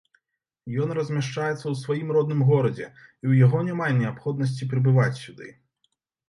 Ён размяшчаецца ў сваім родным горадзе і ў яго няма неабходнасці, прыбываць сюды.